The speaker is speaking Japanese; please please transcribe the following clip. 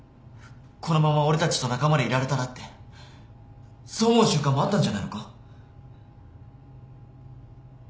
このまま俺たちと仲間でいられたらってそう思う瞬間もあったんじゃないのか？